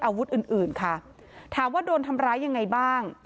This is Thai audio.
อาวุธอื่นอื่นค่ะถามว่าโดนทำร้ายยังไงบ้าง